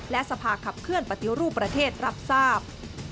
และสภาขับเคลื่อนปฏิรูปประเทศรับทราบ